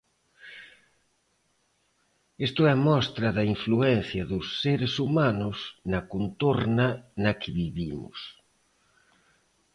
Isto é mostra da influencia dos seres humanos na contorna na que vivimos.